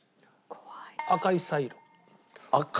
赤いサイロ。